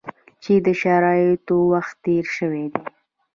چې د شرایطو وخت تېر شوی دی.